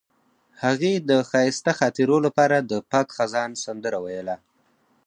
هغې د ښایسته خاطرو لپاره د پاک خزان سندره ویله.